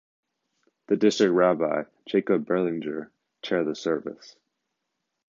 The district rabbi, Jacob Berlinger, chair the service.